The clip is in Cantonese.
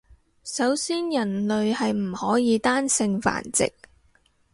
首先人類係唔可以單性繁殖